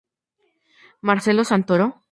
Marcelo Santoro?...